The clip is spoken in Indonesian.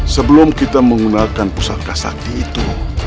sebelum kita menggunakan pusaka sakti itu